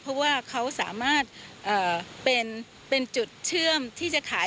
เพราะว่าเขาสามารถเป็นจุดเชื่อมที่จะขาย